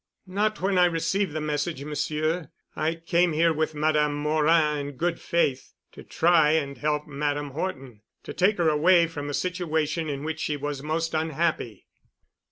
"Not when I received the message, Monsieur. I came here with Madame Morin in good faith to try and help Madame Horton—to take her away from a situation in which she was most unhappy."